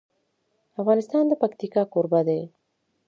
افغانستان د پکتیکا کوربه دی.